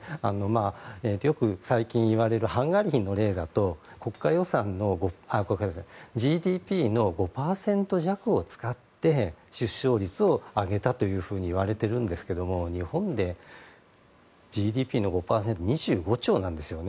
よく最近言われるハンガリーの例だとＧＤＰの５％弱を使って出生率を上げたというふうにいわれているんですけれども日本でＧＤＰの５％って２５兆なんですよね。